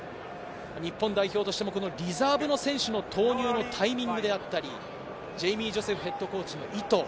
日本代表としてもリザーブの選手も投入のタイミングであったり、ジェイミー・ジョセフヘッドコーチの意図。